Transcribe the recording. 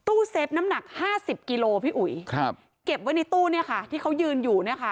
เซฟน้ำหนักห้าสิบกิโลพี่อุ๋ยครับเก็บไว้ในตู้เนี่ยค่ะที่เขายืนอยู่เนี่ยค่ะ